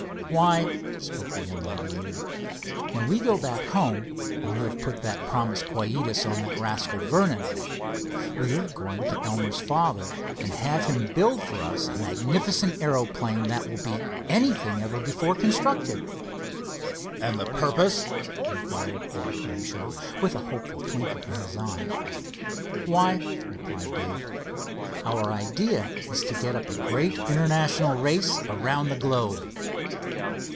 "Why," spoke the young aviator, "when we go back home, and you have put that promised quietus on that rascal Vernon, we are going to Elmer's father and have him build for us a magnificent aeroplane that will beat anything ever before constructed." "And the purpose?" inquired old Grimshaw, with a hopeful twinkle in his eye. "Why," replied Dave, "our idea is to get up a great international race around the globe."